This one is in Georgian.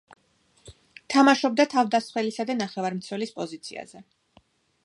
თამაშობდა თავდამსხმელისა და ნახევარმცველის პოზიციაზე.